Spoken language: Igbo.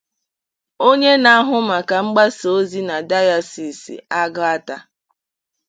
onye na-ahụ maka mgbasaozi na Dayọsiisi Agụata